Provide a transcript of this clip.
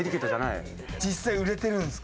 実際売れてるんですか？